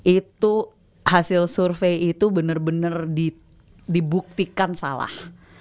itu hasil survei itu benar benar dibuktikan salah